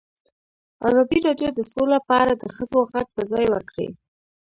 ازادي راډیو د سوله په اړه د ښځو غږ ته ځای ورکړی.